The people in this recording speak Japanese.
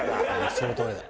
そのとおりだ。